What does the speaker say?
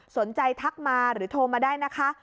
ทักมาหรือโทรมาได้นะคะ